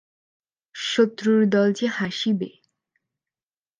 শত্রুর দল যে হাসিবে!